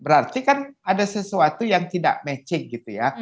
berarti kan ada sesuatu yang tidak matching gitu ya